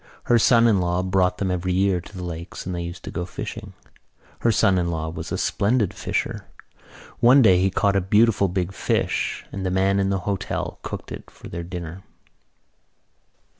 Her son in law brought them every year to the lakes and they used to go fishing. Her son in law was a splendid fisher. One day he caught a beautiful big fish and the man in the hotel cooked it for their dinner.